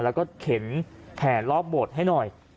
แล้วก็เข็นแห่รอบโบสถ์ให้หน่อย